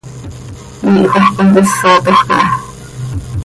Iihjoj contísatoj caha.